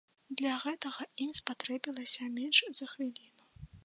Для гэтага ім спатрэбілася менш за хвіліну.